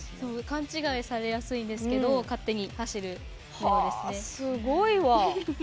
勘違いされやすいんですけど勝手に走るものですね。